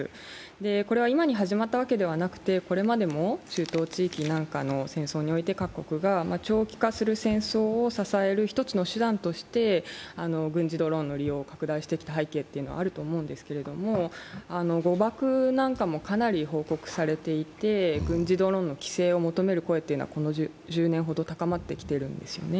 これは今に始まったわけではなくて、これまでも中東地域の戦争なんかにおいても各国が長期化する戦争を支える一つの手段として軍事ドローンの利用を拡大してきた背景があると思うんですけれども誤爆なんかもかなり報告されていて軍事ドローンの規制を求める声というのはこの１０年ほど高まってきているんですよね。